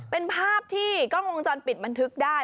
เป็นภาพที่กล้องวงจรปิดบันทึกได้